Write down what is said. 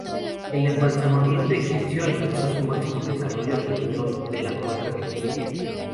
El embalsamamiento egipcio alcanzó su máximo desarrollo alrededor de la cuarta dinastía.